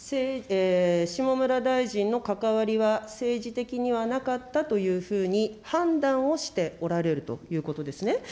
下村大臣の関わりは、政治的にはなかったというふうに判断をしておられるということですね。